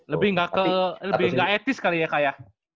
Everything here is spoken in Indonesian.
lebih nggak ke lebih nggak etis kali ya kaya